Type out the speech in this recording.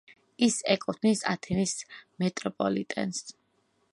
ის ეკუთვნის ათენის მეტროპოლიტენს.